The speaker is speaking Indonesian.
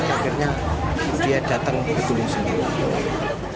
akhirnya dia datang ke buli sendiri